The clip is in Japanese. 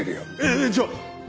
えっじゃあ何？